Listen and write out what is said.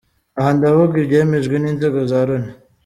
Aha ndavuga ibyemejwe n’inzego za Loni.